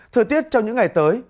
thời tiết trong những ngày tới